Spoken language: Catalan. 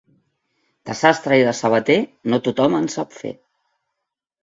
De sastre i de sabater, no tothom en sap fer.